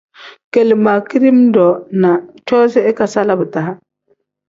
Kele ma kidiim-ro na coozi ikasala bidaa.